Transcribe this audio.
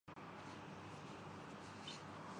زندگی میں مثبت طرف رہتا ہوں